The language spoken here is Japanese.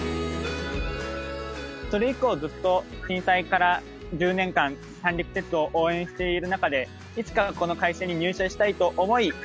それ以降ずっと震災から１０年間三陸鉄道を応援している中でいつかこの会社に入社したいと思い